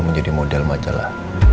menjadi model majalah